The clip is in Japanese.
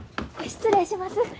失礼します。